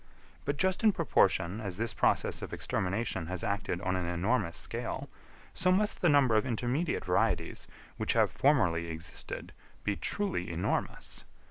But just in proportion as this process of extermination has acted on an enormous scale, so must the number of intermediate varieties, which have formerly existed, be truly enormous.